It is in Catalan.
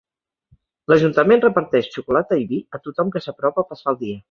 L'ajuntament reparteix xocolata i vi a tothom que s'apropa a passar el dia.